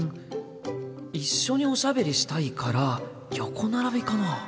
一緒におしゃべりしたいから横並びかな。